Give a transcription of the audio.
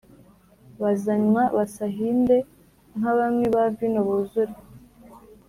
Bazanywa basahinde nk abanywi ba vino buzure